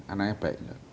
anaknya baik gak